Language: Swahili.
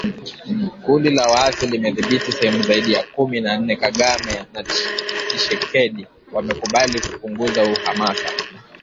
Kundi la Waasi limedhibiti sehemu zaidi ya kumi na nne, Kagame na Tshisekedi wamekubali kupunguza uhasama